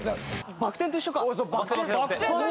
バク転と一緒だよ！